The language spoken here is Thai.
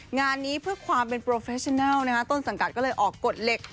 งานนี้เพื่อความเป็นนะฮะต้นสังกัดก็เลยออกกฎเล็ก